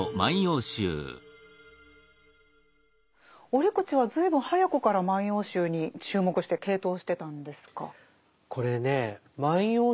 折口は随分早くから「万葉集」に注目して傾倒してたんですか？